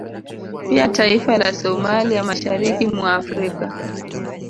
Pia taifa la Somalia masahariki mwa Afrika